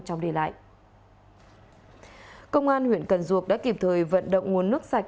công an huyện cần duộc đã kịp thời vận động nguồn nước sạch